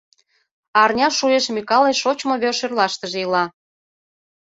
Арня шуэш Микале шочмо вер-шӧрлаштыже ила.